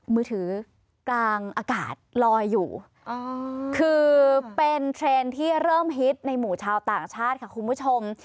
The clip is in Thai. มือถือกลางอากาศลอยอยู่คือเป็นเทรนด์ที่เริ่มฮิตในหมู่ชาวต่างชาติค่ะคุณผู้ชม